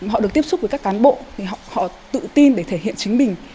họ được tiếp xúc với các cán bộ thì họ tự tin để thể hiện chính mình